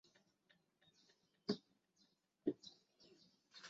她丈夫才娶她为妻